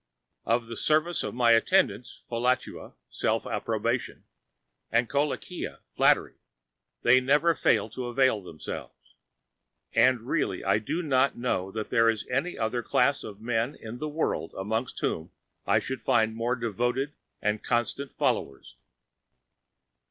Of the services of my attendants, Philautia [Self approbation] and Kolakia [Flattery], they never fail to avail themselves, and really I do not know that there is any other class of men in the world amongst whom I should find more devoted and constant followers.